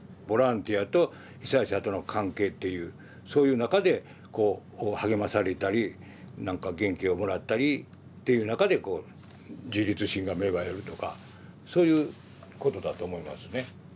ボランティアと被災者との関係っていうそういう中でこう励まされたりなんか元気をもらったりっていう中で自立心が芽生えるとかそういうことだと思いますね。